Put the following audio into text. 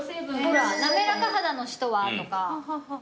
滑らか肌の人はとか。